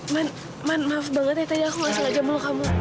man man maaf banget ya tadi aku ngasih lajam lo kamu